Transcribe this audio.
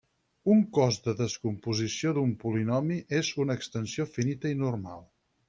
Un cos de descomposició d'un polinomi és una extensió finita i normal.